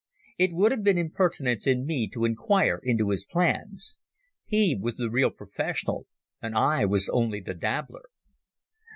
It would have been impertinence in me to inquire into his plans. He was the real professional, and I was only the dabbler.